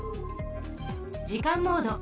時間モード。